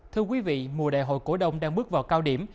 thưa quý vị mùa đại hội cổ đông đang bước vào cao điểm